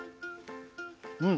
うん。